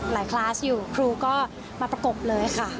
คลาสอยู่ครูก็มาประกบเลยค่ะ